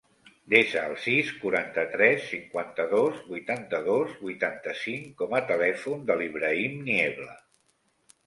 Desa el sis, quaranta-tres, cinquanta-dos, vuitanta-dos, vuitanta-cinc com a telèfon de l'Ibrahim Niebla.